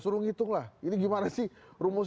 suruh ngitung lah ini gimana sih rumus